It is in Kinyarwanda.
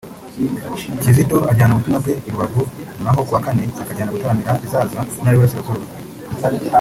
Kizito ajyana ubutumwa bwe i Rubavu naho ku wa Kane akajya gutaramira i Zaza mu Ntara y’Uburasirazuba